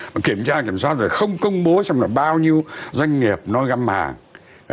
mà kiểm tra kiểm soát rồi không công bố xem là bao nhiêu doanh nghiệp nói găm hàng